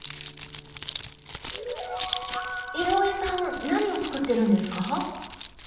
井上さん何を作ってるんですか？